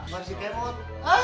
mari si kemot